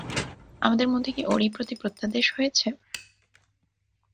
আমাদের মধ্যে কি ওরই প্রতি প্রত্যাদেশ হয়েছে?